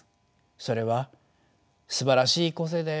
それはすばらしい個性だよ